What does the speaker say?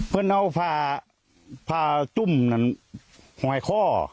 เพิ่งเอาฝาฝาจุ่มนั่นหอยข้อ